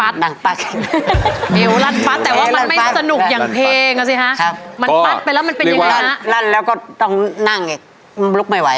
สองเมตรกว่าได้ฮะแล้วมันเกิดอะไรขึ้นอ่ะฮะ